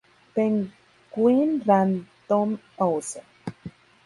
Penguin Random House.